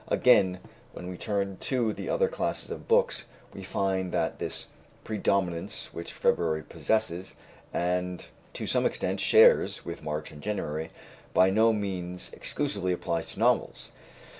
Again, when we turn to the other classes of books, we find that this predominance which February possesses, and to some extent shares with March and January, by no means exclusively applies to novels.